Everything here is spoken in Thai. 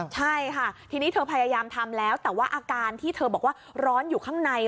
ใช่ค่ะทีนี้เธอพยายามทำแล้วแต่ว่าอาการที่เธอบอกว่าร้อนอยู่ข้างใน